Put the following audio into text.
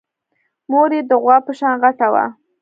مور يې د غوا په شان غټه وه.